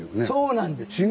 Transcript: そうなんです！